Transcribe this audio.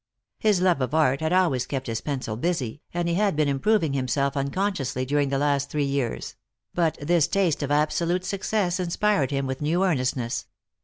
His love of art had always kept his pencil busy, and he had been improving himself unconsciously during the last three years ; but this taste of absolute success inspired him with new earnest ness.